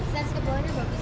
ses kebohanya bagus